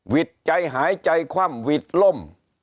วิทย์ใจหายใจความวิทย์ล่ม